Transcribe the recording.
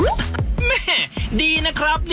แม่ดีนะครับ